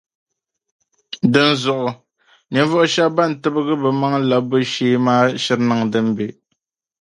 Dinzuɣu ninvuɣu shɛba ban tibigi bɛ maŋ’ labbu shee maa shiri niŋ din be.